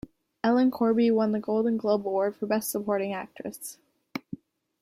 Ellen Corby won the Golden Globe Award for Best Supporting Actress.